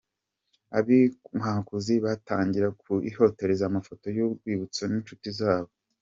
Ab’inkwakuzi batangira kuhifotoreza amafoto y’urwibutso n’inshuti zabo.